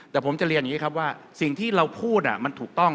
แต่ผมจะเรียนอย่างนี้ครับว่าสิ่งที่เราพูดมันถูกต้อง